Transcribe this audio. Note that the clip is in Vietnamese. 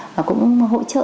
và cũng hỗ trợ